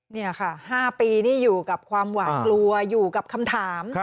นี่ค่ะ๕ปีนี่อยู่กับความหวาดกลัวอยู่กับคำถาม